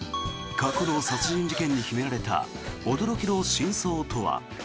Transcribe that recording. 過去の殺人事件に秘められた驚きの真相とは？